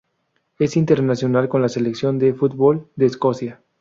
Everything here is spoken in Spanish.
Es internacional con la selección de fútbol de Escocia.